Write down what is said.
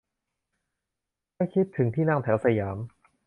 ถ้าคิดถึงที่นั่งแถวสยาม